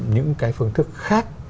những cái phương thức khác